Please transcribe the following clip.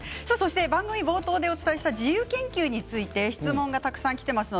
番組冒頭でご紹介した自由研究について質問がきています。